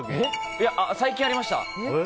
最近ありました。